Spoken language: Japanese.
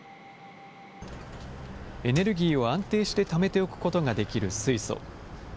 エネルギーを安定してためておくことができる水素。